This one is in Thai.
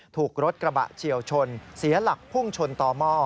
ถูกรถกระบะเฉียวชนเสียหลักพุ่งชนต่อหม้อ